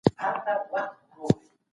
د ارغنداب سیند مدیریت باید مسلکي واوسي.